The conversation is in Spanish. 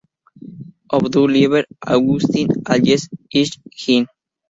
O du lieber Augustin alles ist hin.